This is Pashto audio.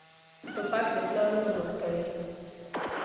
توپک د پلار نوم ورکوي.